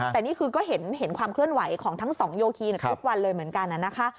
แต่นี่คือก็เห็นความเคลื่อนไหวของทั้งสองโยคีทุกวันเลยเหมือนกันนะคะ